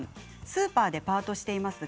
スーパーでパートをしています。